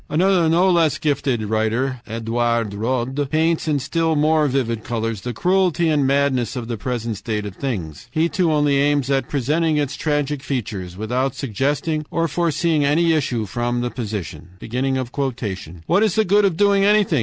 Another no less gifted writer, Edouard Rod, paints in still more vivid colors the cruelty and madness of the present state of things. He too only aims at presenting its tragic features, without suggesting or forseeing any issue from the position. "What is the good of doing anything?